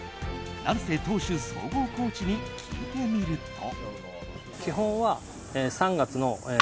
成瀬投手総合コーチに聞いてみると。